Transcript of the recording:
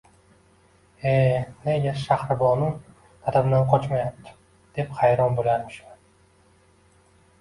E, nega Shahribonu dadamdan qochmayapti, deb hayron bo‘larmishman.